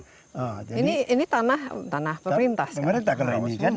tidak ini tanah pemerintah sekarang